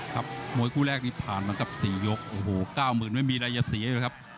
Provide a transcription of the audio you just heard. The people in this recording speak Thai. มวยคู่แรกนี้ผ่านมากับ๔ยกโอ้โห๙๐๐ไม่มีอะไรจะเสียเลยครับ